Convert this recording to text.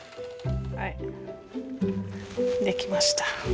はい出来ました。